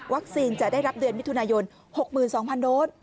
จะได้รับเดือนมิถุนายน๖๒๐๐โดส